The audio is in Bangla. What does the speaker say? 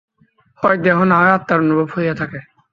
হয় দেহ, না হয় আত্মার অনুভব হইয়া থাকে।